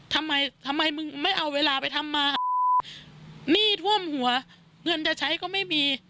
ทำไมทำไมมึงไม่เอาเวลาไปทำมาหนี้ท่วมหัวเงินจะใช้ก็ไม่มี